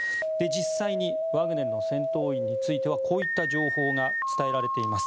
実際にワグネルの戦闘員についてはこういった情報が伝えられています。